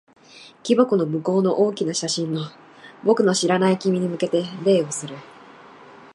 木箱の向こうの大きな写真の、僕の知らない君に向けて礼をする。